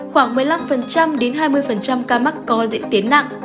khoảng một mươi năm đến hai mươi ca mắc có diễn tiến nặng